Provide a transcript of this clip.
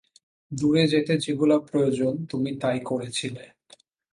দূরে যেতে যেগুলো প্রয়োজন তুমি তাই করেছিলে।